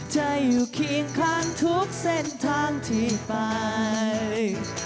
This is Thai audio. จะอยู่เคียงข้างทุกเส้นทางที่ไป